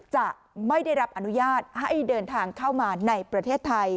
จะไม่ได้รับอนุญาตให้เดินทางเข้ามาในประเทศไทย